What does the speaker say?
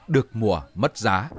được mùa mất giá